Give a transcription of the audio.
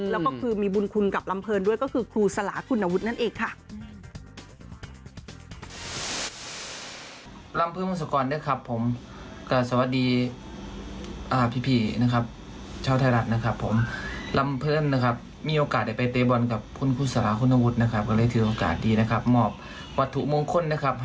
แล้วก็คือมีบุญคุณกับลำเพลินด้วยก็คือครูสลาคุณวุฒินั่นเองค่ะ